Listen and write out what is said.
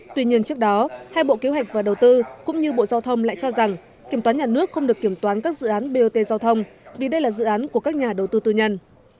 tuy nhiên trước đó hai bộ kế hoạch và đầu tư cũng như bộ giao thông lại cho rằng kiểm toán nhà nước không được kiểm toán các dự án bot giao thông vì đây là dự án của các nhà đầu tư tư nhân